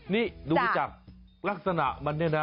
นี่ดูจากลักษณะมันเนี่ยนะ